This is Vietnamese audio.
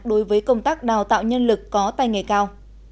đối với công tác đào tạo nhân lực có tay nghề cao